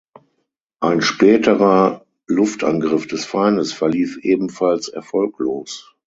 Ein späterer Luftangriff des Feindes verlief ebenfalls erfolglos.